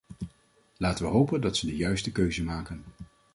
Laten we hopen dat ze de juiste keuze maken!